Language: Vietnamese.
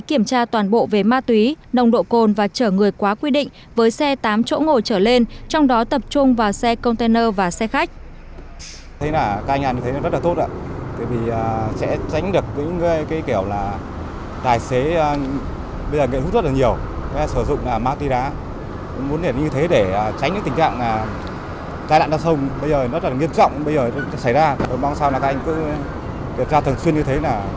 kiểm tra toàn bộ về ma túy nồng độ cồn và chở người quá quy định với xe tám chỗ ngồi chở lên trong đó tập trung vào xe container và xe khách